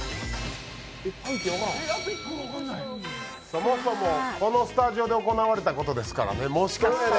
そもそもこのスタジオで行われたことですからね、もしかしてね。